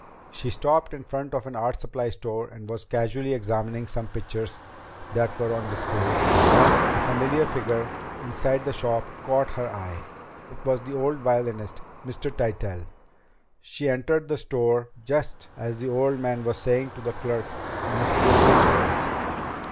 She stopped in front of an art supply store and was casually examining some pictures that were on display when a familiar figure inside the shop caught her eye. It was the old violinist, Mr. Tytell! She entered the store just as the old man was saying to the clerk in his quavering voice